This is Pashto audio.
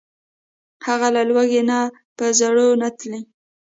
هغه له لوږي په زړو نتلي